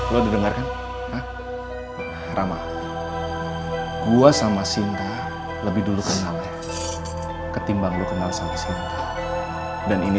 sumpah mati kau urusak jiwaku saat ini